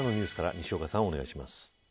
西岡さん、お願いします。